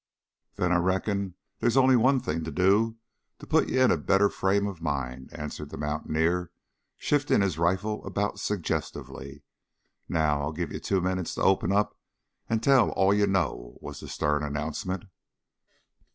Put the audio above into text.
"Then I reckon there's only one thing to do to put ye in a better frame of mind," answered the mountaineer, shifting his rifle about suggestively. "Now I'll give ye two minutes to open up and tell all ye know," was the stern announcement.